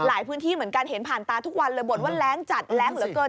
พื้นที่เหมือนกันเห็นผ่านตาทุกวันเลยบ่นว่าแรงจัดแรงเหลือเกิน